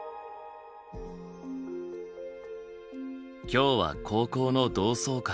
今日は高校の同窓会。